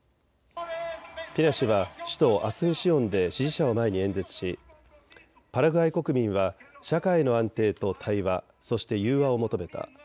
ペニャ氏は首都アスンシオンで支持者を前に演説しパラグアイ国民は社会の安定と対話、そして融和を求めた。